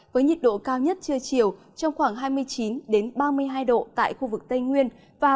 với nhiệt độ cao nhất trưa chiều trong khoảng hai mươi chín ba mươi hai độ tại khu vực tây nguyên